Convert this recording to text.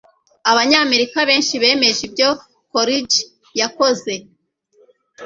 Abanyamerika benshi bemeje ibyo Coolidge yakoze.